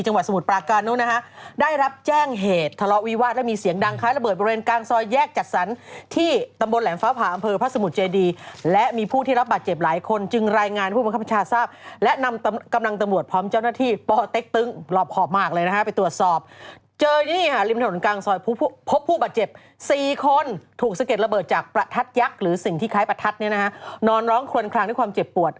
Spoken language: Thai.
หรือสิ่งที่คล้ายประทัดนอนร้องคลนคลางด้วยความเจ็บปวด